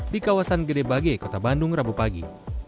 di kawasan gede bage kota bandung rabu pagi